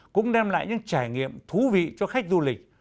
cũng đem lại những trải nghiệm thú vị cho khách du lịch